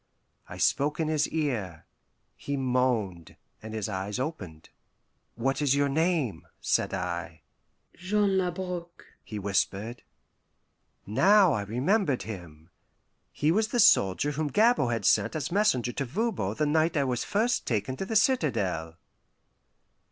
I spoke in his ear. He moaned, and his eyes opened. "What is your name?" said I. "Jean Labrouk," he whispered. Now I remembered him. He was the soldier whom Gabord had sent as messenger to Voban the night I was first taken to the citadel.